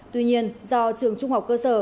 tuy nhiên do trường trung học cơ sở